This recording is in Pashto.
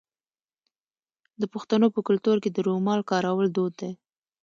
د پښتنو په کلتور کې د رومال کارول دود دی.